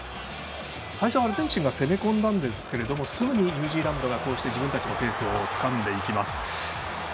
最初はアルゼンチンが攻め込んだんですがすぐにニュージーランドが自分たちのペースをつかんでいきます。